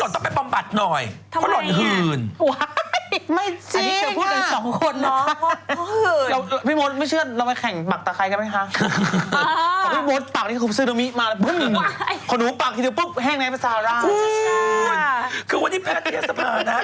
คุณคือวันนี้แพทยสภานะครับ